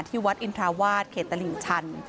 ที่วัดอินทราวาสเขตลิงชัน